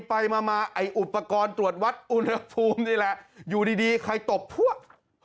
ไปมาไอ้อุปกรณ์ตรวจวัดอุณหภูมินี่แหละอยู่ดีใครตบพวก